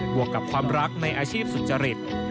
วกกับความรักในอาชีพสุจริต